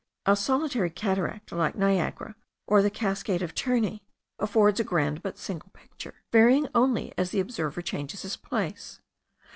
A solitary cataract, like Niagara, or the cascade of Terni, affords a grand but single picture, varying only as the observer changes his place.